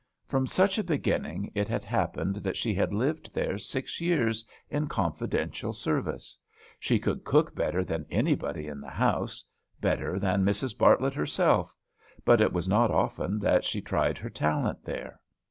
From such a beginning, it had happened that she had lived there six years, in confidential service. She could cook better than anybody in the house, better than Mrs. Bartlett herself; but it was not often that she tried her talent there.